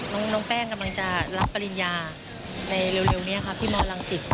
น้องแป้งกำลังจะรับปริญญาในเร็วนี้ครับที่มรังสิต